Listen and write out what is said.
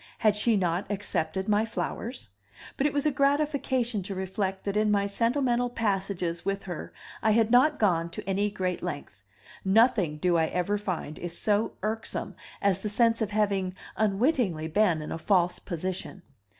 Had she not accepted my flowers? But it was a gratification to reflect that in my sentimental passages with her I had not gone to any great length; nothing, do I ever find, is so irksome as the sense of having unwittingly been in a false position.